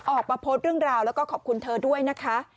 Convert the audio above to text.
ออกมาโพสต์เรื่องราวแล้วก็ขอบคุณเธอด้วยนะคะ